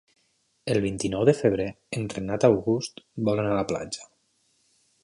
El vint-i-nou de febrer en Renat August vol anar a la platja.